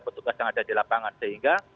petugas yang ada di lapangan sehingga